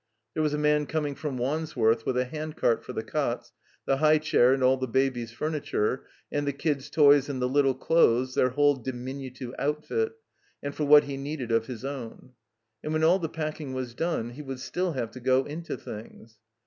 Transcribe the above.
There was a man coming from Wands worth with a handcart for the cots, the high chair and all the babies' ftimiture, and the kids' toys and the little clothes, their whole diminutive outfit, and for what he needed of his own. And when all the packing was done he would still have to go into things.